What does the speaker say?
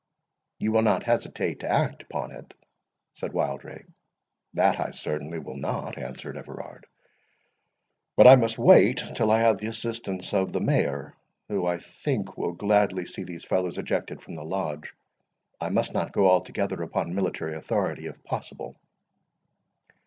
"You will not hesitate to act upon it?" said Wildrake. "That I certainly will not," answered Everard; "but I must wait till I have the assistance of the Mayor, who, I think, will gladly see these fellows ejected from the Lodge. I must not go altogether upon military authority, if possible."